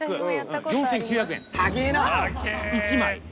１枚。